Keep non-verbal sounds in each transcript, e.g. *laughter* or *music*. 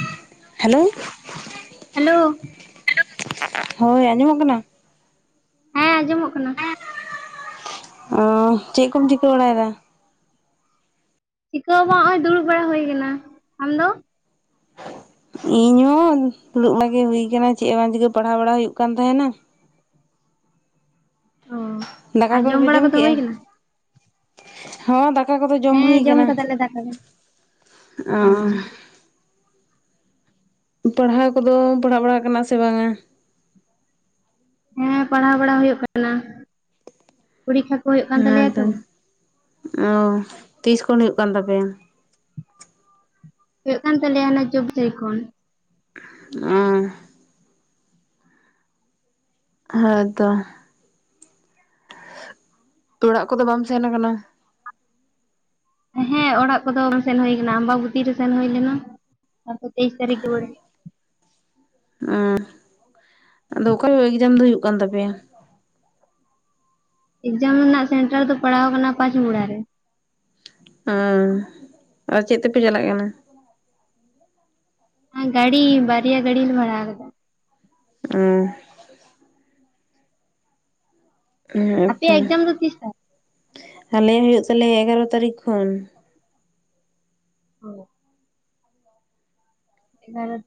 ᱦᱚᱸ hello hello ᱦᱳᱭ ᱟᱸᱡᱚᱢᱚᱜ ᱠᱟᱱᱟ᱾ ᱦᱮᱸ ᱟᱸᱡᱚᱢᱚᱜ ᱠᱟᱱᱟ᱾ ᱚ ᱪᱮᱫ ᱠᱚᱢ ᱪᱤᱠᱟᱹ ᱵᱟᱲᱟᱭᱮᱫᱟ ᱪᱤᱠᱟᱹ ᱦᱚᱸ ᱵᱟᱝ, ᱱᱚᱜᱼᱚᱭ ᱫᱩᱲᱩᱵ ᱵᱟᱲᱟ ᱦᱩᱭ ᱟᱠᱟᱱᱟ᱾ ᱟᱢ ᱫᱚ? ᱤᱧᱦᱚᱸ ᱫᱩᱲᱩᱵ ᱵᱟᱲᱟᱜᱮ ᱦᱩᱭ ᱟᱠᱟᱱᱟ, ᱪᱮᱫ ᱮ ᱵᱟᱝ ᱪᱤᱠᱟᱹ ᱯᱟᱲᱦᱟᱣ ᱵᱟᱲᱟ ᱦᱩᱭᱩᱜ ᱠᱟᱱ ᱛᱟᱦᱮᱸᱱᱟ᱾ ᱚ ᱟᱨ ᱡᱚᱢ ᱵᱟᱲᱟ ᱠᱚᱫᱚ ᱦᱩᱭ ᱟᱠᱟᱱᱟ ᱦᱮᱸ ᱫᱟᱠᱟ ᱠᱚᱫᱚ ᱡᱚᱢ ᱦᱮᱸ ᱦᱩᱭ ᱠᱟᱱᱟ᱾ ᱠᱟᱫᱟᱞᱮ ᱫᱟᱠᱟ ᱫᱚ᱾ ᱚ ᱯᱟᱲᱦᱟᱣ ᱠᱚᱫᱚ ᱯᱟᱲᱦᱟᱣ, ᱯᱟᱲᱦᱟᱜ ᱵᱟᱲᱟᱜ ᱠᱟᱱᱟ ᱥᱮ ᱵᱟᱝ-ᱟ? ᱦᱮᱸ ᱯᱟᱲᱦᱟᱣ ᱵᱟᱲᱟ ᱦᱩᱭᱩᱜ ᱠᱟᱱᱟ ᱯᱚᱨᱤᱠᱷᱟ ᱠᱚ ᱦᱳᱭᱳᱜ ᱦᱮᱸᱛᱚ ᱚᱻ ᱛᱤᱥ ᱠᱷᱚᱱ ᱦᱩᱭᱩᱜ ᱠᱟᱱ ᱛᱟᱯᱮᱭᱟ᱾ ᱦᱩᱭᱩᱜ ᱠᱟᱱ ᱛᱟᱞᱮᱭᱟ ᱚᱱᱟ ᱪᱚᱵᱽᱵᱤᱥ ᱛᱟᱨᱤᱠᱷ ᱠᱷᱚᱱ ᱚᱸ ᱦᱮ ᱛᱚ ᱛᱚ ᱚᱲᱟᱜ ᱠᱚᱫᱚ ᱵᱟᱢ ᱥᱮᱱ ᱟᱠᱟᱱᱟ ᱦᱮᱸ ᱚᱲᱟᱜ ᱠᱚᱫᱚ ᱵᱟᱝ ᱥᱮᱱ ᱦᱩᱭ ᱟᱠᱟᱱᱟ ᱟᱢᱵᱟᱵᱚᱛᱤ ᱨᱮ ᱥᱮᱱ ᱦᱩᱭ ᱞᱮᱱᱟ ᱛᱯᱚᱨ ᱛᱮᱭᱤᱥ ᱛᱟᱨᱤᱠᱷᱮ ᱨᱩᱣᱟᱹᱲ ᱦᱮᱸ ᱟᱫᱚ ᱚᱠᱟ ᱨᱮ ᱮᱠᱡᱟᱢ ᱫᱚ ᱦᱩᱭᱩᱜ ᱠᱟᱱ ᱛᱟᱯᱮᱭᱟ᱾ ᱮᱠᱡᱟᱢ ᱨᱮᱱᱟᱜ ᱥᱮᱱᱴᱟᱨ ᱫᱚ ᱯᱟᱲᱟᱣ ᱟᱠᱟᱱᱟ ᱯᱟᱸᱪ ᱢᱩᱲᱟ ᱨᱮ ᱦᱮᱻ ᱟᱨ ᱪᱮᱫ ᱛᱮᱯᱮ ᱪᱟᱞᱟᱜ ᱠᱟᱱᱟ ᱦᱮ ᱜᱟᱲᱤ ᱵᱟᱨᱭᱟ ᱜᱟᱲᱤ ᱵᱷᱟᱲᱟ ᱟᱠᱟᱫᱟ ᱚᱸ ᱦᱮᱸ ᱛᱚ ᱟᱯᱮᱭᱟᱜ ᱮᱠᱡᱟᱢ ᱫᱚ ᱛᱤᱥ ᱛᱟᱦᱮᱸ ᱟᱞᱮᱭᱟᱜ ᱦᱩᱭᱩᱜ ᱛᱟᱞᱮᱭᱟ ᱮᱜᱟᱨᱚ ᱛᱟᱨᱤᱠᱷ ᱠᱷᱚᱱ ᱦᱮ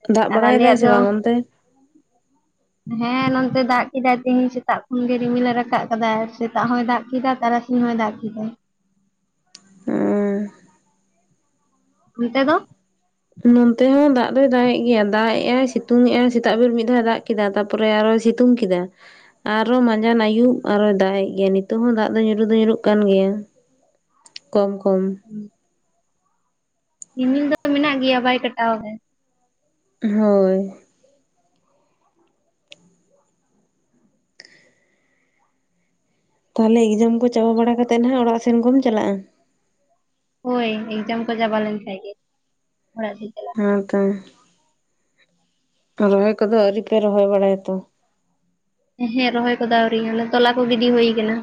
ᱫᱟᱜ ᱟᱨ ᱵᱟᱲᱟᱭ ᱫᱟᱭ ᱟᱞᱮᱭᱟᱜ ᱥᱮ ᱫᱚ ᱵᱟᱝ ᱚᱱᱛᱮ? ᱦᱮᱻ ᱱᱚᱛᱮ ᱫᱟᱜ ᱠᱮᱫᱟᱭ ᱛᱮᱦᱤᱧ ᱥᱮᱛᱟᱜ ᱠᱷᱚᱱ ᱜᱮ ᱨᱤᱢᱤᱞᱮ ᱨᱟᱠᱟᱵ ᱠᱟᱫᱟ ᱥᱮᱛᱟᱜ ᱦᱚᱸᱭ ᱫᱟᱜ ᱠᱮᱫᱟ ᱛᱟᱨᱟ ᱛᱮᱦᱮᱣ ᱦᱚᱸ ᱫᱟᱜ ᱠᱮᱫᱟᱭ ᱦᱮᱸ ᱚᱱᱛᱮ ᱫᱚ ᱱᱚᱱᱛᱮ ᱦᱚᱸ ᱫᱟᱜ ᱫᱚᱭ ᱫᱟᱜ ᱮᱜ ᱜᱮᱭᱟ ᱫᱟᱜ ᱮᱜᱟᱭ ᱥᱤᱛᱩᱝᱜ ᱟᱭ ᱥᱮᱛᱟᱜ ᱵᱮᱨ ᱢᱤᱫ ᱫᱷᱟᱣ ᱮ ᱫᱟᱜ ᱠᱮᱫᱟ ᱛᱟᱨᱯᱚᱨ ᱯᱚᱨᱮ ᱟᱨᱚᱭ ᱥᱤᱛᱩᱝ ᱠᱮᱫᱟ ᱟᱨᱚ ᱢᱟᱸᱡᱟᱱ ᱟᱹᱭᱩᱵ ᱟᱨᱚᱭᱭ ᱫᱟᱜ ᱮᱫ ᱜᱮᱭᱟ ᱱᱤᱛᱚᱜ ᱦᱚᱸ ᱫᱟᱜ ᱫᱚ ᱧᱩᱨ ᱫᱚ ᱧᱩᱨᱩᱜ ᱠᱟᱱ ᱜᱮᱭᱟ᱾ ᱠᱚᱢ ᱠᱚᱢ ᱨᱤᱢᱤᱞ ᱫᱚ ᱢᱮᱱᱟᱜ ᱜᱮᱭᱟ ᱵᱟᱭ ᱠᱟᱴᱟᱣ ᱮᱫᱟᱭ ᱦᱳᱭ ᱛᱟᱦᱚᱞᱮ ᱮᱠᱡᱟᱢ ᱠᱚ ᱪᱟᱵᱟ ᱵᱟᱲᱟ ᱠᱟᱛᱮᱫ ᱦᱟᱜ ᱚᱲᱟᱜ ᱥᱮᱱ ᱠᱚᱢ ᱪᱟᱞᱟᱜᱼᱟ ᱦᱳᱭ ᱮᱠᱡᱟᱢ ᱠᱚ ᱪᱟᱵᱟ ᱞᱮᱱ ᱠᱷᱟᱱ ᱜᱮ *unintelligible* ᱦᱮᱸᱛᱚ ᱨᱚᱦᱚᱭ ᱠᱚᱫᱚ ᱟᱹᱣᱨᱤᱯᱮ ᱨᱚᱦᱚᱭ ᱵᱟᱲᱟᱭᱟ ᱛᱚ ᱦᱮᱸ ᱨᱚᱦᱚᱭ ᱠᱚᱫᱚ ᱟᱣᱨᱤᱧᱮ ᱛᱚᱞᱟ ᱠᱚ ᱜᱤᱰᱤ ᱦᱩᱭ ᱟᱠᱟᱱᱟ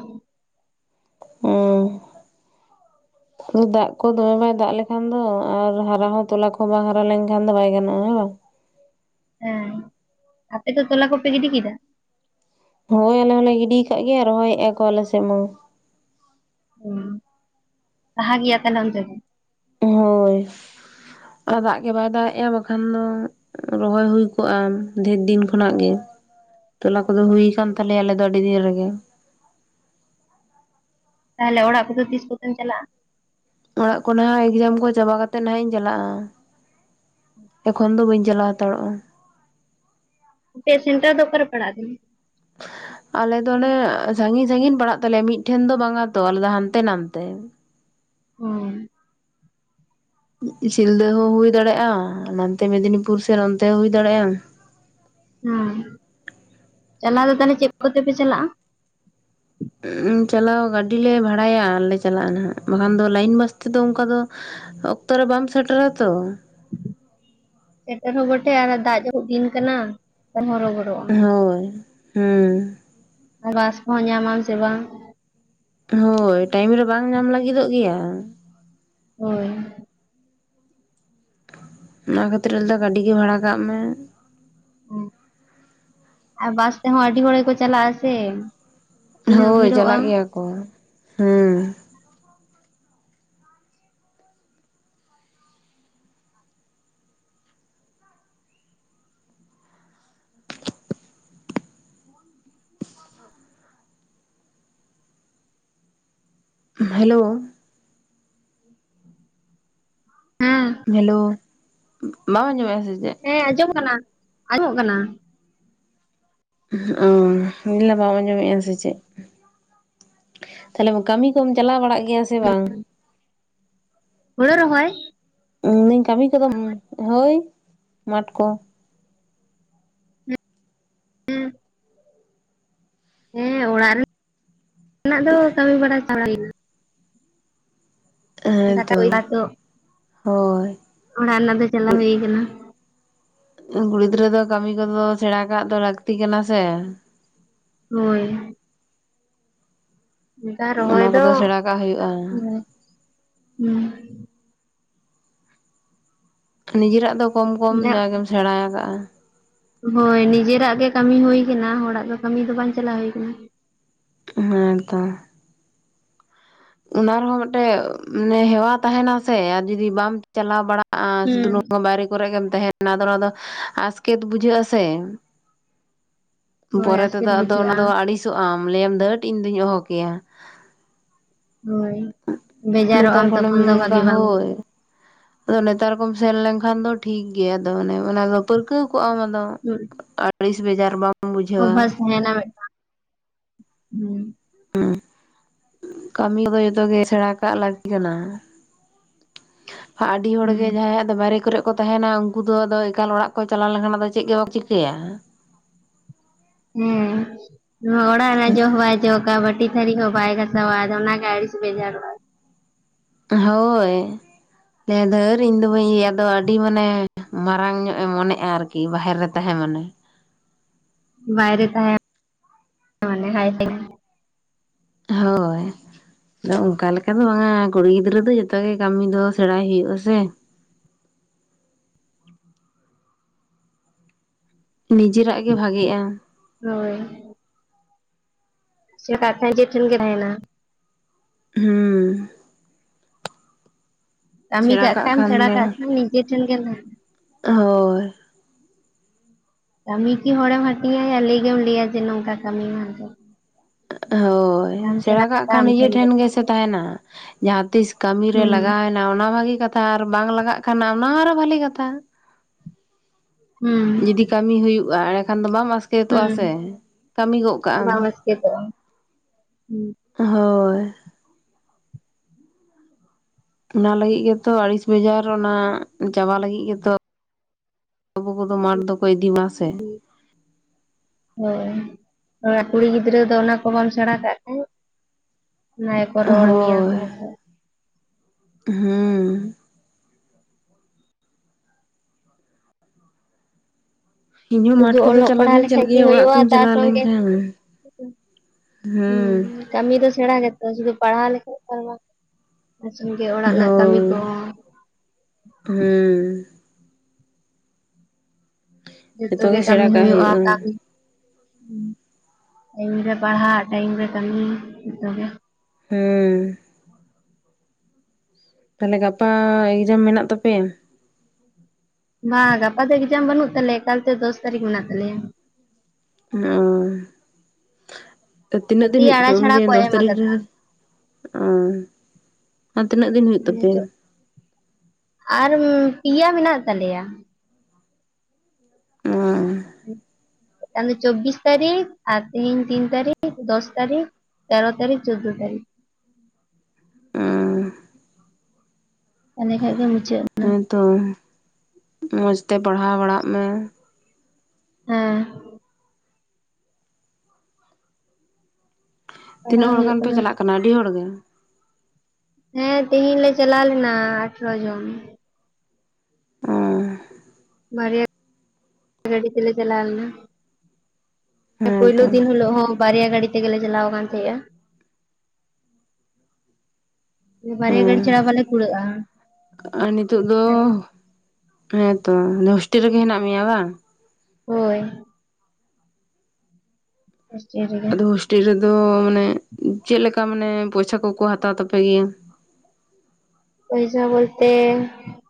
ᱦᱮᱸ ᱫᱟᱜ ᱠᱚ ᱫᱚᱢᱮ ᱵᱟᱭ ᱫᱟᱜ ᱞᱮᱠᱷᱟᱱ ᱫᱚ ᱟᱨ ᱦᱟᱨᱟ ᱦᱚᱸ ᱛᱚᱞᱟ ᱠᱚᱦᱚᱸ ᱵᱟᱝ ᱦᱟᱨᱟ ᱞᱮᱱᱠᱷᱟᱱ ᱫᱚ ᱵᱟᱭ ᱜᱟᱱᱚᱜᱼᱟ ᱦᱮ ᱵᱟᱝ? ᱦᱮᱸ ᱟᱯᱮ ᱛᱚ ᱛᱚᱞᱟ ᱠᱚᱯᱮ ᱜᱤᱫᱤ ᱠᱮᱫᱟ ᱦᱳᱭ ᱟᱞᱮ ᱦᱚᱸᱞᱮ ᱜᱤᱰᱤ ᱟᱠᱟᱫ ᱜᱮ ᱨᱚᱦᱚᱭᱮᱫᱼᱟ ᱠᱚ ᱟᱞᱮ ᱥᱮᱫ ᱢᱟ ᱦᱩᱸ ᱞᱟᱦᱟ ᱜᱮᱭᱟ ᱛᱟᱞᱦᱮ ᱚᱱᱛᱮ ᱫᱚ ᱦᱳᱭ ᱟᱨ ᱫᱟᱜ ᱜᱮ ᱵᱟᱭ ᱫᱟᱜ ᱮᱼᱟ ᱵᱟᱠᱷᱟᱱ ᱫᱚ ᱨᱚᱦᱚᱭ ᱦᱩᱭ ᱠᱚᱜᱼᱟ ᱰᱷᱮᱨ ᱫᱤᱱ ᱠᱷᱚᱱᱟᱜ ᱜᱮ ᱛᱚᱞᱟ ᱠᱚᱫᱚ ᱦᱩᱭ ᱠᱟᱱᱟᱱ ᱛᱟᱞᱮᱭᱟ ᱟᱞᱮ ᱫᱚ ᱟᱹᱰᱤ ᱫᱤᱱ ᱨᱮᱜᱮ ᱛᱟᱦᱚᱞᱮ ᱚᱲᱟᱜ ᱠᱚᱫᱚ ᱛᱤᱥ ᱠᱚᱛᱮᱢ ᱪᱟᱞᱟᱜᱼᱟ? ᱚᱲᱟᱜ ᱠᱚ ᱱᱟᱟᱜ ᱮᱠᱡᱟᱢ ᱠᱚ ᱪᱟᱵᱟ ᱠᱟᱛᱮ ᱱᱟᱦᱟᱜ ᱤᱧ ᱪᱟᱞᱟᱜᱼᱟ ᱮᱠᱷᱚᱱ ᱫᱚ ᱵᱟᱹᱧ ᱪᱟᱞᱟᱣ ᱦᱟᱛᱟᱲᱚᱜᱼᱟ ᱟᱯᱮᱭᱟᱜ ᱯᱮᱥᱴᱟᱨ ᱫᱚ ᱚᱠᱟᱨᱮ ᱯᱟᱲᱟ ᱠᱟᱱᱟ *unintelligible* ᱟᱞᱮ ᱫᱚ ᱚᱱᱮ ᱥᱟᱺᱜᱤᱧ ᱥᱟᱺᱜᱤᱧ ᱯᱟᱲᱟᱜ ᱛᱟᱞᱮᱭᱟ ᱢᱤᱫᱴᱷᱮᱱ ᱫᱚ ᱵᱟᱝᱟ ᱛᱚ ᱟᱞᱮᱫ ᱫᱚ ᱦᱟᱱᱛᱮ ᱱᱟᱸᱛᱮ ᱦᱩ ᱥᱤᱞᱫᱟᱹ ᱦᱚᱸ ᱦᱩᱭ ᱫᱟᱲᱮᱭᱟᱜᱼᱟ ᱱᱟᱟᱱᱛᱮ ᱢᱮᱫᱽᱱᱤᱯᱩᱨ ᱥᱮᱱ ᱚᱱᱛᱮ ᱦᱚᱸ ᱦᱩᱭ ᱫᱟᱲᱮᱭᱟᱜᱼᱟ᱾ ᱦᱚᱭᱸ ᱪᱟᱞᱟᱣ ᱫᱚ ᱛᱟᱦᱚᱞᱮ ᱪᱮᱫ ᱠᱚᱛᱮᱯᱮ ᱪᱟᱞᱟᱜᱼᱟ ᱪᱟᱞᱟᱣ ᱜᱟᱹᱰᱤᱞᱮ ᱵᱷᱟᱲᱟᱭᱟ ᱟᱨᱞᱮ ᱪᱟᱞᱟᱜᱼᱟ ᱱᱟᱦᱟᱜ ᱵᱟᱠᱷᱟᱱ ᱫᱚ ᱞᱟᱭᱤᱱ ᱵᱟᱥ ᱛᱮᱫᱚ ᱚᱱᱠᱟ ᱫᱚ ᱚᱠᱛᱚ ᱨᱮ ᱵᱟᱢ ᱥᱮᱴᱮᱨᱟ ᱛᱚ ᱥᱮᱴᱮᱨ ᱦᱚᱸ ᱵᱚᱴᱷᱮ ᱟᱨ ᱫᱟᱜ ᱡᱚᱨᱩᱜ ᱫᱤᱱ ᱠᱟᱱᱟ ᱵᱟᱠᱷᱟᱱ ᱦᱚᱨᱚᱵᱚᱨᱚ ᱦᱳᱭ ᱦᱮᱸ ᱟᱨ ᱵᱟᱥ ᱠᱚᱦᱚᱸ ᱧᱟᱢᱟᱢ ᱥᱮ ᱵᱟᱝ ᱦᱳᱭ ᱴᱟᱭᱤᱢ ᱨᱮ ᱵᱟᱝ ᱧᱟᱢ ᱞᱟᱹᱜᱤᱫᱚᱜ ᱜᱮᱭᱟ ᱦᱳᱭ ᱚᱱᱟ ᱠᱷᱟᱹᱛᱤᱨ ᱞᱟᱹᱭ ᱫᱚ ᱜᱟᱹᱰᱤ ᱜᱮ ᱵᱷᱟᱲᱟ ᱠᱟᱜ ᱢᱮ ᱦᱚᱸ ᱟᱨ ᱵᱟᱥ ᱛᱮᱦᱚᱸ ᱟᱹᱰᱤ ᱦᱚᱲ ᱜᱮᱠᱚ ᱪᱟᱞᱟᱜᱼᱟ ᱥᱮ ᱛᱤᱱᱟᱹᱜ ᱦᱳᱭ ᱵᱷᱤᱲᱚᱜᱼᱟ ᱪᱟᱞᱟᱜ ᱜᱮᱭᱟ ᱠᱚ ᱦᱩᱸ ᱦᱮᱞᱳ ᱦᱮᱸ ᱦᱮᱞᱳ ᱵᱟᱢ ᱟᱸᱡᱚᱢᱮᱫ-ᱟ ᱥᱮ ᱪᱮᱫ ᱦᱮᱸ ᱟᱸᱡᱚᱢ ᱠᱟᱱᱟ ᱟᱸᱡᱚᱢᱚᱜ ᱠᱟᱱᱟ ᱚ *unintelligible* ᱵᱟᱢ ᱟᱸᱡᱚᱢᱮᱫᱼᱟ ᱥᱮ ᱪᱮᱫ ᱛᱟᱦᱞᱮ ᱠᱟᱹᱢᱤ ᱠᱚᱢ ᱪᱟᱞᱟᱣ ᱵᱟᱲᱟᱜ ᱜᱮᱭᱟ ᱥᱮ ᱵᱟᱝ ᱦᱩᱲᱩ ᱨᱚᱦᱚᱭ ᱢᱮᱱᱫᱟᱹᱧ ᱠᱟᱹᱢᱤ ᱠᱚᱫᱚ ᱦᱳᱭ ᱢᱟᱴᱷ ᱠᱚ ᱦᱩᱸ ᱦᱮᱸ ᱚᱲᱟᱜ ᱨᱮᱱᱟᱜ *inaudible* ᱨᱮᱱᱟᱜ ᱫᱚ ᱠᱟᱹᱢᱤ ᱵᱟᱲᱟ ᱪᱟᱞᱟᱭᱮᱱᱟ ᱦᱮᱸ ᱫᱟᱠᱟ *unintelligible* ᱛᱚ ᱦᱳᱭ ᱚᱲᱟᱜ ᱨᱮᱱᱟᱜ ᱫᱚ ᱪᱟᱞᱟᱣ ᱦᱩᱭ ᱠᱟᱱᱟ ᱠᱩᱲᱤ ᱜᱤᱫᱽᱨᱟᱹ ᱫᱚ ᱠᱟᱹᱢᱤ ᱠᱚᱫᱚ ᱥᱮᱬᱟ ᱠᱟᱜ ᱫᱚ ᱞᱟᱹᱠᱛᱤ ᱠᱟᱱᱟ ᱥᱮ ᱦᱳᱭ ᱚᱱᱠᱟ ᱚᱱᱟ ᱨᱚᱦᱚᱭ ᱫᱚ ᱠᱚᱫᱚ ᱥᱮᱬᱟ ᱠᱟᱜ ᱦᱩᱭᱩᱜᱼᱟ ᱦᱩᱸ ᱦᱩᱸ ᱱᱤᱡᱮᱨᱟᱜ ᱫᱚ ᱠᱚᱢ ᱠᱚᱢ ᱡᱟᱜᱮᱢ ᱥᱮᱬᱟ ᱟᱠᱟᱜᱼᱟ ᱦᱳᱭ ᱱᱤᱡᱮᱨᱟᱜ ᱜᱮ ᱠᱟᱹᱢᱤ ᱦᱩᱭ ᱠᱟᱱᱟ ᱦᱚᱲᱟᱜ ᱫᱚ ᱠᱟᱹᱢᱤ ᱫᱚ ᱵᱟᱝ ᱪᱟᱞᱟᱣ ᱦᱩᱭ ᱠᱟᱱᱟ ᱦᱮᱸᱛᱚ ᱚᱱᱟ ᱨᱮᱦᱚᱸ ᱢᱤᱫᱴᱮᱡ ᱢᱟᱱᱮ ᱦᱮᱣᱟ ᱛᱟᱦᱮᱱᱟ ᱥᱮ ᱟᱨ ᱡᱩᱫᱤ ᱵᱟᱢ ᱪᱟᱞᱟᱣ ᱵᱟᱲᱟᱜᱼᱟ ᱥᱩᱫᱩ ᱦᱩᱸ ᱱᱚᱣᱟ ᱵᱟᱨᱮᱠ ᱠᱚᱨᱮ ᱜᱮᱢ ᱛᱟᱦᱮᱱᱟ ᱟᱫᱚ ᱚᱱᱟ ᱫᱚ ᱟᱥᱠᱮᱛ ᱵᱩᱡᱷᱟᱹᱜ-ᱟ ᱥᱮ ᱦᱳᱭ ᱯᱚᱨᱮ ᱟᱥᱠᱮᱛ ᱛᱮᱫᱚ ᱟᱫᱚ ᱚᱱᱟ ᱵᱩᱡᱷᱟᱹᱜᱼᱟ ᱫᱚ ᱟᱹᱲᱤᱥᱚᱜ-ᱟᱢ ᱞᱟᱹᱭᱟᱢ ᱫᱷᱟᱹᱴ ᱤᱧ ᱫᱩᱧ ᱚᱦᱚ ᱠᱮᱭᱟ ᱦᱳᱭ ᱱᱮᱛᱟᱨ ᱵᱷᱮᱡᱟᱨᱚᱜ-ᱟᱢ ᱛᱚᱠᱷᱚᱱ ᱫᱚ ᱵᱷᱟᱜᱤ ᱵᱟᱢ ᱛᱚ, ᱱᱮᱛᱟᱨ ᱠᱚᱢ ᱥᱮᱱ ᱞᱮᱱᱠᱷᱟᱱ ᱫᱚ ᱴᱷᱤᱠ ᱜᱮᱭᱟ ᱟᱫᱚ ᱚᱱᱮ ᱚᱱᱟ ᱫᱚ ᱯᱟᱹᱨᱠᱟᱹᱣ ᱠᱚᱜ ᱟᱢ ᱟᱫᱚ ᱦᱩᱸ ᱟᱲᱤᱥ ᱵᱟᱡᱟᱨ ᱵᱟᱝ ᱚᱵᱽᱵᱷᱟᱥ ᱛᱟᱦᱮᱱᱟ ᱢᱤᱫᱴᱟᱝ, *inaudible* ᱦᱩᱸ ᱦᱩᱸ ᱠᱟᱹᱢᱤ ᱠᱚᱫᱚ ᱡᱚᱛᱚᱜ ᱜᱮ ᱥᱮᱬᱟ ᱠᱟᱜ ᱞᱟᱹᱠᱛᱤ ᱠᱟᱱᱟ ᱟᱹᱰᱤ ᱦᱚᱲ ᱦᱩᱸ ᱜᱮ ᱡᱟᱦᱟᱸᱭᱟᱜ ᱫᱚ ᱵᱟᱭᱨᱮ ᱠᱚᱨᱮ ᱠᱚ ᱛᱟᱦᱮᱱᱟ ᱩᱱᱠᱩ ᱟᱫᱚ ᱮᱠᱟᱞ ᱚᱲᱟᱜ ᱠᱚ ᱪᱟᱞᱟᱣ ᱞᱮᱱᱠᱷᱟᱱ ᱟᱫᱚ ᱪᱮᱫ ᱜᱮ ᱵᱟᱠᱚ ᱪᱤᱠᱟᱹᱭᱟ ᱦᱩᱸ ᱱᱚᱣᱟ ᱚᱲᱟᱜ ᱨᱮ ᱡᱚᱜ ᱦᱚᱸ ᱵᱟᱭ ᱡᱚᱵᱟ ᱵᱟᱹᱴᱤ ᱛᱷᱟᱨᱤ ᱠᱚ ᱵᱟᱭ ᱜᱟᱥᱟᱣᱟ ᱟᱫᱚ ᱚᱱᱟ ᱜᱮ ᱟᱹᱲᱤᱥ ᱵᱮᱡᱟᱨᱚᱜ-ᱟᱭ ᱦᱳᱭ, ᱞᱟᱹᱭᱟᱭ ᱫᱷᱟᱹᱨ ᱤᱧᱫᱚ ᱵᱟᱹᱧ ᱤᱭᱟᱹᱭᱟ ᱟᱫᱚ ᱟᱹᱰᱤ ᱢᱟᱱᱮ ᱢᱟᱨᱟᱝ ᱧᱚᱜ ᱮ ᱢᱚᱱᱮᱜᱼᱟ ᱟᱨᱠᱤ ᱵᱟᱦᱮᱨ ᱨᱮ ᱛᱟᱦᱮᱸ ᱢᱟᱱᱮ ᱵᱟᱭᱨᱮ ᱛᱟᱦᱮᱸ *inaudible* ᱢᱟᱱᱮ ᱦᱟᱭ ᱦᱳᱭ ᱟᱫᱚ ᱚᱱᱠᱟ ᱞᱮᱠᱟ ᱫᱚ ᱵᱟᱝᱟ ᱠᱩᱲᱤ ᱜᱤᱫᱽᱨᱟᱹ ᱫᱚ ᱡᱚᱛᱚ ᱜᱮ ᱠᱟᱹᱢᱤ ᱫᱚ ᱥᱮᱬᱟᱭ ᱦᱩᱭᱩᱜᱼᱟ ᱥᱮ ᱱᱤᱡᱮᱨᱟᱜ ᱜᱮ ᱵᱷᱟᱜᱤᱜᱼᱟ ᱦᱳᱭ *unintelligible* ᱴᱮᱱ ᱜᱮ ᱛᱟᱦᱮᱟᱭᱱᱟ ᱦᱩᱸ ᱠᱟᱹᱢᱤ ᱠᱟᱜ ᱠᱷᱟᱱ ᱥᱮᱬᱟ ᱠᱟᱜ ᱠᱷᱟᱱ ᱱᱤᱡᱮ ᱴᱷᱮᱱ ᱜᱮᱢ ᱦᱳᱭ ᱠᱟᱹᱢᱤ ᱠᱤ ᱦᱚᱲᱮᱢ ᱦᱟᱹᱴᱤᱧᱟᱭᱟ ᱞᱟᱹᱭ ᱜᱮᱢ ᱞᱟᱹᱭᱟ ᱡᱮ ᱱᱚᱝᱠᱟ ᱠᱟᱹᱢᱤ ᱢᱮ ᱢᱮᱱ ᱛᱮᱫ ᱦᱳᱭ ᱥᱮᱬᱟ ᱠᱟᱜ ᱠᱟᱜᱼᱟ ᱠᱷᱟᱱ ᱟᱢ ᱱᱤᱡᱮ ᱜᱮ ᱴᱷᱮᱱ ᱜᱮᱥᱮ ᱛᱟᱦᱮᱱᱟ ᱡᱟᱦᱟᱸᱛᱤᱥ ᱠᱟᱹᱢᱤᱨᱮ ᱦᱩᱸ ᱞᱟᱜᱟᱣᱮᱱᱟ ᱱᱟᱣᱟ ᱱᱟᱣᱟ ᱜᱮ ᱠᱟᱛᱷᱟ ᱟᱨ ᱵᱟᱝ ᱞᱟᱜᱟᱜ ᱠᱟᱱᱟ ᱚᱱᱟ ᱟᱨᱚ ᱵᱷᱟ. ᱞᱤ ᱠᱟᱛᱷᱟ ᱦᱩᱸ ᱡᱩᱫᱤ ᱠᱟᱹᱢᱤ ᱦᱩᱭᱩᱜᱼᱟ ᱮᱸᱰᱮ ᱠᱷᱟᱱ ᱫᱚ ᱵᱟᱢ ᱟᱥᱠᱮᱛᱚᱜᱼᱟ ᱦᱩᱸ ᱥᱮ ᱠᱟᱹᱢᱤ ᱜᱚᱫ ᱠᱟᱜᱼᱟᱢ ᱪᱮᱫᱦᱚᱸ ᱵᱟᱝ ᱦᱚᱸ ᱦᱳᱭ ᱚᱱᱟ ᱞᱟᱹᱜᱤᱫ ᱜᱮᱛᱚ ᱟᱲᱤᱥ ᱵᱟᱡᱷᱟ. ᱜᱼᱟ ᱟᱨ ᱚᱱᱟ ᱪᱟᱵᱟ ᱞᱟᱹᱜᱤᱫ ᱜᱮᱛᱚ ᱟᱵᱚ ᱠᱚᱫᱚ ᱢᱟᱴᱷ ᱫᱚᱠᱚ ᱤᱫᱤ ᱵᱚᱱᱟ ᱥᱮ ᱦᱳᱭ ᱠᱩᱲᱤ ᱜᱤᱫᱽᱨᱟᱹ ᱫᱚ ᱚᱱᱟ ᱠᱚ ᱵᱟᱢ ᱥᱮᱬᱟ ᱠᱟᱜ ᱠᱷᱟᱱ ᱚᱱᱟ ᱜᱮᱠᱚ ᱨᱚᱲ ᱢᱮᱭᱟ ᱠᱚ ᱦᱮᱸ ᱤᱧ ᱦᱚᱸ ᱥᱩᱫᱷᱩ ᱢᱟᱴᱷ ᱠᱚᱫᱚ ᱚᱞᱚᱜ ᱪᱟᱞᱟᱣ ᱯᱟᱲᱦᱟᱣ ᱫᱩᱧ ᱞᱮᱠᱷᱟᱡ ᱪᱟᱞᱟᱜ ᱜᱮ ᱜᱮᱭᱟ ᱚᱲᱟᱜ ᱦᱩᱭᱩᱜᱼᱟ ᱠᱩᱧ ᱛᱟᱨ ᱪᱟᱞᱟᱣ ᱥᱚᱸᱜᱮ ᱞᱮᱱᱠᱷᱟᱱ ᱦᱮᱸ ᱦᱩᱸ ᱠᱟᱹᱢᱤ ᱫᱚ ᱥᱮᱬᱟ ᱜᱮᱛᱚ ᱥᱩᱫᱩ ᱯᱟᱲᱦᱟᱣ ᱞᱮᱠᱷᱟᱱ ᱵᱟᱝ ᱟᱡᱚᱢ ᱜᱮ ᱦᱳᱭ ᱦᱮᱸ ᱡᱚᱛᱚ ᱜᱮ ᱠᱟᱹᱢᱤ ᱦᱩᱭᱩᱜᱼᱟ ᱚᱱᱟᱜᱮ ᱴᱟᱭᱤᱢ ᱨᱮ ᱯᱟᱲᱦᱟᱜ ᱴᱟᱭᱤᱢ ᱨᱮ ᱠᱟᱹᱢᱤ ᱡᱚᱛᱚ ᱜᱮ ᱦᱮᱸ ᱛᱟᱦᱚᱞᱮ ᱜᱟᱯᱟ ᱮᱠᱡᱟᱢ ᱢᱮᱱᱟᱜ ᱛᱟᱯᱮᱭᱟ ᱵᱟᱝ ᱜᱟᱯᱟ ᱫᱚ ᱮᱠᱡᱟᱢ ᱵᱟᱹᱱᱩᱜ ᱛᱟᱞᱮᱭᱟ ᱮᱠᱟᱞᱛᱮ ᱫᱚᱥ ᱛᱟᱹᱨᱤᱠᱷ ᱢᱮᱱᱟᱜ ᱛᱟᱞᱮᱭᱟ ᱦᱮᱸ ᱛᱤᱱᱟᱹᱜ ᱫᱤᱱ ᱟᱹᱰᱤ ᱦᱩᱭᱩᱜ ᱟᱲᱟ ᱛᱟᱯᱮᱭᱟ ᱪᱷᱟᱲᱟ ᱩᱱᱜᱮ ᱠᱚ ᱫᱚᱥ ᱮᱢ ᱛᱟᱨᱤᱠᱷ ᱨᱮ ᱟᱠᱟᱫᱟ ᱚ ᱟᱨ ᱛᱤᱱᱟᱹᱜ ᱫᱤᱱ ᱦᱩᱭᱩᱜ ᱢᱟᱱᱮ ᱛᱟᱯᱮᱭᱟ ᱪᱚ ᱟᱨ ᱯᱮᱭᱟ ᱢᱮᱱᱟᱜ ᱛᱟᱞᱮᱭᱟ ᱦᱮᱸ ᱪᱚᱵᱤᱥ ᱛᱟ. ᱨᱤᱠᱷ ᱟᱨ ᱛᱮᱦᱤᱧ ᱛᱤᱱ ᱛᱟ. ᱨᱤᱠᱷ ᱫᱚᱥ ᱛᱟ. ᱨᱤᱠᱷ ᱛᱮᱨᱚ ᱛᱟᱨᱤᱠᱷ ᱪᱳᱣᱫᱚ ᱛᱟᱹᱨᱤᱠᱷ ᱚ ᱮᱸᱰᱮ ᱠᱷᱟᱱ ᱜᱮ ᱢᱩᱪᱟᱹᱫᱼᱟ ᱦᱮᱸ ᱛᱚ ᱢᱚᱸᱡᱽ ᱛᱮ ᱯᱟᱲᱦᱟᱣ ᱵᱟᱲᱟᱜ ᱢᱮ ᱦᱮᱸ ᱯᱟᱲᱦᱟᱣ ᱛᱤᱱᱟᱹᱜ ᱦᱚᱲ ᱦᱩᱭᱩᱜ ᱜᱟᱱ ᱯᱮ ᱪᱟᱞᱟᱜ ᱠᱟᱱᱟ ᱟᱹᱰᱤ ᱦᱚᱲ ᱜᱮ ᱦᱮᱸ ᱛᱮᱦᱮᱧ ᱞᱮ ᱪᱟᱞᱟᱣ ᱞᱮᱱᱟ ᱟᱴᱷᱨᱚ ᱡᱚᱱ ᱦᱚᱸ ᱵᱟᱨᱭᱟ ᱜᱟᱹᱰᱤ ᱛᱮ ᱪᱟᱞᱟᱣ ᱞᱮᱱᱟ ᱯᱳᱭᱞᱩ ᱦᱮᱸᱛᱚ ᱫᱤᱱ ᱦᱤᱞᱳᱜ ᱦᱚᱸ ᱵᱟᱨᱭᱟ ᱜᱟᱹᱰᱤ ᱛᱮᱜᱮᱞᱮ ᱪᱟᱞᱟᱣ ᱟᱠᱟᱱ ᱛᱟᱦᱮᱸᱫᱼᱟ ᱵᱟᱨᱭᱟ ᱦᱮᱸ ᱜᱟᱹᱰᱤ ᱪᱷᱟᱲᱟ ᱵᱟᱞᱮ ᱠᱩᱲᱟᱹᱜᱼᱟ ᱦᱮᱸ ᱛᱚ ᱦᱳᱥᱴᱮᱞ ᱨᱮᱜᱮ ᱦᱮᱱᱟᱜ ᱢᱮᱭᱟ ᱵᱟᱝ ᱦᱳᱭ ᱵ ᱴᱷ ᱴᱷ ᱜᱮᱭᱟ *inaudible* ᱢᱟᱱᱮ ᱪᱮᱫ ᱞᱮᱠᱟ ᱢᱟᱱᱮ ᱯᱚᱭᱥᱟ ᱠᱚᱠᱚ ᱦᱟᱛᱟᱣ ᱛᱟᱯᱮ? ᱜᱮᱭᱟ ᱯᱚᱭᱥᱟ ᱵᱚᱞᱛᱮ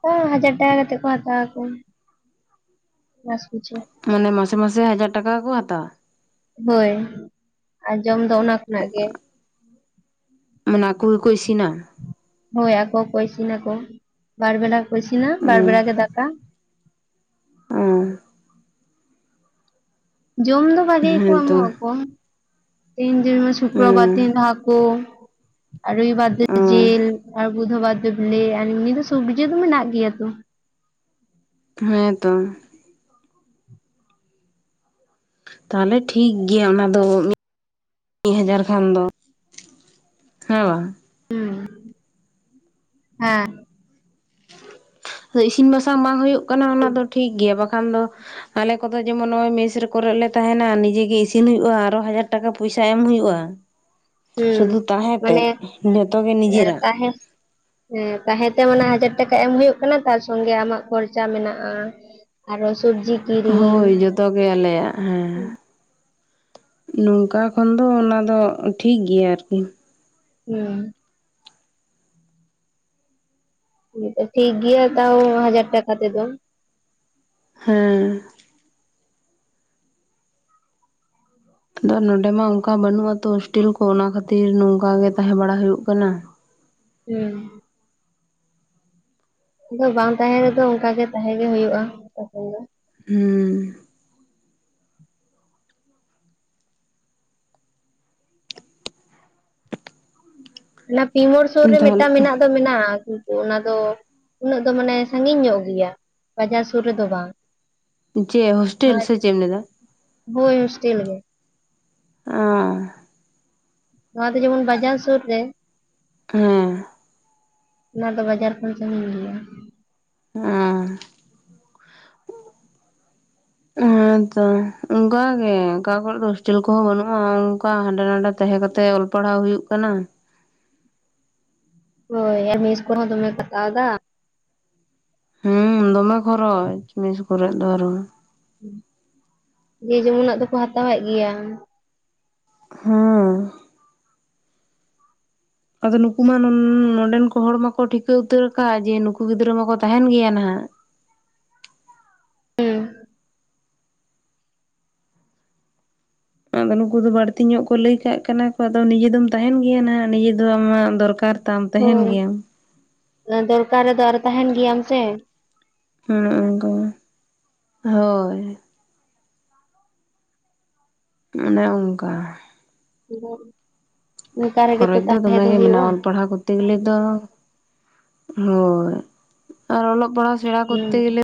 ᱳ ᱦᱟᱡᱟᱨ ᱴᱟᱠᱟ ᱠᱟᱛᱮᱜ ᱠᱚ ᱦᱟᱛᱟᱣ ᱟᱠᱚ ᱵᱟᱥ ᱠᱤᱪᱷᱩ ᱢᱟᱱᱮ ᱢᱟᱥᱮ ᱢᱟᱥᱮ ᱦᱟᱡᱟᱨ ᱴᱟᱠᱟ ᱠᱚ ᱦᱟᱛᱟᱣᱼᱟ ᱦᱳᱭ ᱟᱨ ᱡᱚᱢ ᱫᱚ ᱚᱱᱟ ᱠᱷᱚᱱᱟᱜ ᱜᱮ ᱢᱟᱱᱮ ᱟᱠᱚ ᱜᱮᱠᱚ ᱤᱥᱤᱱᱟ ᱦᱳᱭ ᱟᱠᱚ ᱠᱚ ᱤᱥᱤᱱᱟᱠᱚ ᱵᱟᱨ ᱵᱮᱥᱟ ᱠᱚ ᱤᱥᱤᱱᱟ ᱵᱟᱨ ᱵᱮᱲᱟ ᱚᱸ ᱜᱮ ᱫᱟᱠᱟ ᱦᱮᱸ ᱡᱚᱢ ᱫᱚ ᱵᱷᱟ. ᱜᱤ ᱜᱮᱠᱚ ᱮᱢᱚᱜ ᱦᱮᱸᱛᱚ ᱟᱠᱚ ᱛᱮᱦᱤᱧ ᱡᱮᱢᱚᱱ ᱥᱩᱠᱨᱚᱵᱟᱨ ᱚᱸ ᱦᱟ. ᱠᱩ ᱟᱨ ᱨᱚᱵᱤᱵᱟᱨ ᱫᱚ ᱚᱸ ᱡᱤᱞ ᱟᱨ ᱵᱩᱫᱷᱵᱟᱨ ᱫᱚ ᱵᱤᱞᱤ ᱟᱨ ᱮᱢᱱᱤ ᱫᱚ ᱥᱚᱵᱽᱡᱤ ᱫᱚ ᱢᱮᱱᱟᱜ ᱜᱮᱭᱟᱛᱚ ᱦᱮᱸ ᱛᱚ ᱛᱟᱦᱞᱮ ᱴᱷᱤᱠ ᱜᱮᱭᱟ ᱚᱱᱟ ᱫᱚ ᱢᱤᱫ ᱦᱟᱡᱟᱨ ᱠᱷᱟᱱ ᱫᱚ ᱦᱮᱸ ᱣᱟᱝ *unintelligible* ᱦᱩᱸ ᱤᱥᱤᱱ ᱵᱟᱥᱟᱝ ᱵᱟᱝ ᱦᱩᱭᱩᱜ ᱠᱟᱱᱟ ᱚᱱᱟ ᱫᱚ ᱴᱷᱤᱠ ᱜᱮᱭᱟ ᱵᱟᱠᱷᱟᱱ ᱫᱚ ᱟᱞᱮ ᱠᱚᱫᱚ ᱡᱮᱢᱚᱱ ᱱᱚᱜᱚᱭ ᱢᱮᱥ ᱠᱚᱨᱮ ᱛᱟᱦᱮᱱᱟ ᱱᱤᱡᱮ ᱜᱮ ᱤᱥᱤᱱ ᱦᱩᱭᱩᱜᱼᱟ ᱟᱨᱚ ᱦᱟᱡᱟᱨ ᱴᱟᱠᱟ ᱯᱚᱭᱥᱟ ᱮᱢ ᱦᱩᱭᱩᱜᱼᱟ ᱦᱩᱸ ᱥᱩᱫᱩ ᱛᱟᱦᱮᱸᱛᱮᱫ ᱢᱟᱱᱮ ᱡᱚᱛᱚ ᱜᱮ ᱱᱤᱡᱮᱨᱟᱜ ᱛᱟᱦᱮᱸ ᱦᱮᱸ ᱛᱟᱦᱮᱸᱛᱮ ᱢᱟᱱᱮ ᱦᱟᱡᱟᱨ ᱴᱟᱠᱟ ᱮᱢ ᱦᱩᱭᱩᱜ ᱠᱟᱱᱟ ᱛᱟᱨ ᱥᱚᱝᱜᱮ ᱟᱢᱟᱜ ᱠᱷᱚᱨᱪᱟ ᱢᱮᱱᱟᱜᱼᱟ ᱟᱨᱚ ᱥᱚᱵᱽᱡᱤ ᱦᱳᱭ ᱡᱚᱛᱚ ᱜᱮ ᱟᱞᱮᱭᱟᱜ ᱦᱮᱸ ᱱᱚᱝᱠᱟ ᱠᱷᱚᱱ ᱫᱚ ᱚᱱᱟ ᱫᱚ ᱴᱷᱤᱠ ᱜᱤᱭᱟ ᱟᱨᱠᱤ ᱦᱮᱸ *inaudible* ᱴᱷᱤᱠ ᱜᱮᱭᱟᱹ ᱛᱟᱣ ᱦᱟᱡᱟᱨ ᱴᱟᱠᱟ ᱛᱮᱫᱚ ᱦᱮᱸ ᱫᱚ ᱱᱚᱰᱮ ᱢᱟ ᱚᱱᱠᱟ ᱵᱟᱹᱱᱩᱜ ᱟᱛᱚ ᱦᱳᱥᱴᱮᱞ ᱠᱚ ᱚᱱᱟ ᱠᱷᱟᱹᱛᱤᱨ ᱱᱚᱝᱠᱟ ᱜᱮ ᱛᱟᱦᱮᱸ ᱵᱟᱲᱟ ᱦᱩᱭᱩᱜ ᱠᱟᱱᱟ᱾ ᱦᱮᱸ ᱟᱫᱚ ᱵᱟᱝ ᱛᱟᱦᱮᱸ ᱨᱮᱫᱚ ᱚᱱᱠᱟ ᱜᱮ ᱛᱟᱦᱮᱸ ᱜᱮ ᱦᱩᱭᱩᱜᱼᱟ ᱛᱚᱠᱷᱚᱱ ᱫᱚ ᱦᱩᱸ ᱚᱱᱟ ᱯᱤᱢᱳᱲ ᱥᱩᱨ ᱨᱮ ᱢᱤᱫ ᱛᱟᱦᱚᱞᱮ ᱴᱟᱝ ᱢᱮᱱᱟᱜ ᱫᱚ ᱢᱮᱱᱟᱜᱼᱟ ᱛᱚ ᱚᱱᱟ ᱫᱚ ᱩᱱᱟᱹᱜ ᱫᱚ ᱢᱟᱱᱮ ᱥᱟᱺᱜᱤᱧ ᱧᱚᱜ ᱜᱮᱭᱟ ᱵᱟᱡᱟᱨ ᱥᱩᱨ ᱨᱮᱫᱚ ᱵᱟᱝ ᱪᱮ ᱦᱳᱥᱴᱮᱞ ᱟᱨ ᱥᱮ ᱪᱮᱫ ᱮᱢ ᱞᱟᱹᱭ ᱮᱫᱟ ᱦᱳᱭ ᱦᱚᱥᱴᱮᱞ ᱜᱮ ᱚᱸᱻ ᱱᱚᱶᱟ ᱫᱚ ᱡᱮᱢᱚᱱ ᱵᱟᱡᱟᱨ ᱥᱩᱨ ᱨᱮ ᱦᱮᱸ ᱚᱱᱟ ᱫᱚ ᱵᱟᱡᱟᱨ ᱠᱷᱚᱱ ᱥᱟᱺᱜᱤᱧ ᱜᱮᱭᱟ ᱦᱮᱸ *inaudible* ᱦᱮᱸᱛᱚ ᱚᱱᱠᱟ ᱜᱮ ᱚᱠᱟ ᱠᱚᱨᱮ ᱦᱳᱥᱴᱮᱞ ᱠᱚᱦᱚᱸ ᱵᱟᱹᱱᱩᱜᱼᱟ ᱚᱱᱠᱟ ᱦᱟᱸᱰᱮ ᱱᱟᱰᱮ ᱛᱟᱦᱮᱸ ᱠᱟᱛᱮ ᱚᱞ ᱯᱟᱲᱦᱟᱣ ᱦᱩᱭᱩᱜ ᱠᱟᱱᱟ ᱦᱳᱭ ᱟᱨ ᱢᱮᱥ ᱠᱚᱨᱮ ᱦᱚ ᱫᱟᱢᱮ ᱠᱳ ᱦᱟᱛᱟᱣ ᱫᱟ ᱦᱮᱸ ᱫᱚᱢᱮ ᱠᱷᱚᱨᱚᱪ ᱢᱮᱥ ᱠᱚᱨᱮ ᱫᱚ ᱟᱨᱚ ᱡᱮ ᱡᱮᱢᱚᱱᱟᱜ ᱫᱚᱠᱚ ᱦᱟᱛᱟᱣᱮᱫ ᱜᱮᱭᱟ ᱦᱮᱸ ᱟᱫᱚ ᱱᱩᱠᱩ ᱢᱟ ᱱᱚᱰᱮᱱ ᱠᱚ ᱦᱚᱲ ᱢᱟᱠᱚ ᱴᱷᱤᱠᱟᱹ ᱩᱛᱟᱹᱨ ᱟᱠᱟᱫ ᱡᱮ ᱱᱩᱠᱩ ᱜᱤᱫᱽᱨᱟᱹ ᱢᱟᱠᱚ ᱛᱟᱦᱮᱱ ᱜᱮᱭᱟ ᱱᱟᱦᱟᱜ ᱦᱩᱸ ᱟᱫᱚ ᱱᱩᱠᱩ ᱫᱚ ᱵᱟᱹᱲᱛᱤ ᱧᱚᱜ ᱠᱚ ᱞᱟᱹᱭ ᱠᱟᱜ ᱠᱟᱱᱟ ᱠᱚ ᱟᱫᱚ ᱱᱤᱡᱮ ᱫᱚᱢ ᱛᱟᱦᱮᱱ ᱜᱮᱭᱟ ᱱᱟᱦᱟᱜ ᱱᱤᱡᱮ ᱫᱚ ᱟᱢᱟᱜ ᱫᱚᱨᱠᱟᱨ ᱛᱟᱢ ᱛᱟᱦᱮᱱ ᱦᱳᱭ ᱜᱮᱭᱟᱢ ᱫᱚᱨᱠᱟᱨ ᱨᱮᱫᱚ ᱟᱨ ᱛᱟᱦᱮᱱ ᱜᱮᱭᱟᱢ ᱥᱮ ᱦᱩᱸ ᱚᱸᱠᱟ ᱜᱤ ᱦᱳᱭ ᱚᱱᱮ ᱚᱱᱠᱟ *unintelligible* ᱚᱱᱠᱟ ᱨᱮᱜᱮ ᱛᱚ ᱠᱷᱚᱨᱚᱪ ᱫᱚ ᱛᱟᱦᱮᱸ ᱫᱚᱢᱮ ᱜᱮ ᱦᱩᱭᱩᱜᱼᱟ ᱢᱮᱱᱟᱜᱼᱟ ᱚᱞ ᱯᱟᱲᱦᱟᱣ ᱠᱚᱨ *inaudible* ᱦᱳ ᱟᱨ ᱚᱞᱚᱜ ᱯᱟᱲᱦᱟᱜ ᱥᱮᱬᱮ ᱠᱚᱛᱮ ᱦᱩᱸ ᱜᱮᱞᱮ